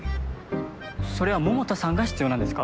それは桃田さんが必要なんですか？